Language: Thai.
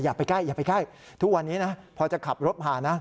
ไปใกล้อย่าไปใกล้ทุกวันนี้นะพอจะขับรถผ่านนะ